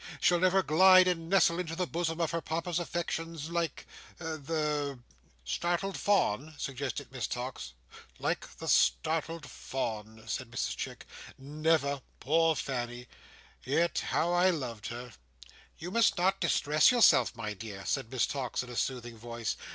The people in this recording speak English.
She'll never glide and nestle into the bosom of her Papa's affections like—the—" "Startled fawn?" suggested Miss Tox. "Like the startled fawn," said Mrs Chick. "Never! Poor Fanny! Yet, how I loved her!" "You must not distress yourself, my dear," said Miss Tox, in a soothing voice.